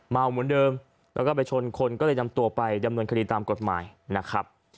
เมาเหมือนเดิมแล้วก็ไปชนคนก็เลยนำตัวไปดำเนินคดีตามกฎหมายนะครับ